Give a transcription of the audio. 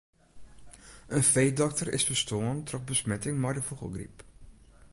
In feedokter is ferstoarn troch besmetting mei de fûgelgryp.